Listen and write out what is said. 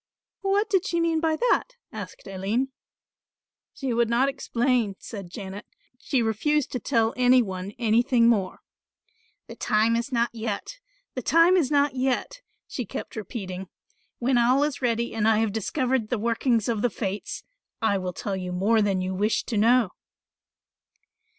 "What did she mean by that?" asked Aline. "She would not explain," said Janet; "she refused to tell any one anything more. 'The time is not yet, the time is not yet,' she kept repeating; 'when all is ready and I have discovered the workings of the fates, I will tell you more than you wish to know.